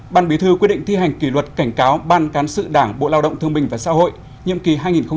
ban bí thư quyết định thi hành kỷ luật cảnh cáo ban cán sự đảng bộ lao động thương minh và xã hội nhiệm kỳ hai nghìn một mươi sáu hai nghìn một mươi sáu